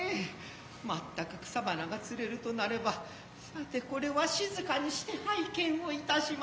まつたく草花が釣れると成ればさてこれは静にして拝見をいたしませう。